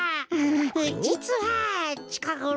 じつはちかごろ。